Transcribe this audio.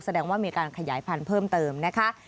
แสดงว่ามีการขยายพันธุ์เพิ่มเติมนะคะ